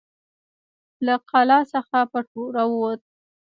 له قلا څخه پټ راووت.